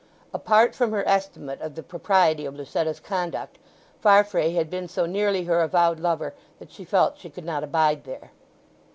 Apart from her estimate of the propriety of Lucetta's conduct, Farfrae had been so nearly her avowed lover that she felt she could not abide there.